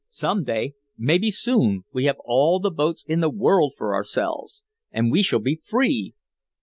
Some day maybe soon we have all the boats in the world for ourselves and we shall be free!